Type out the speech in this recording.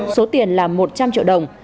số tiền là một trăm linh triệu đồng